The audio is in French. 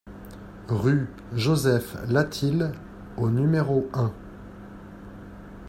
Rue Joseph Latil au numéro un